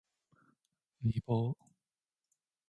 相棒